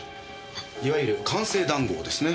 いわゆる官製談合ですね？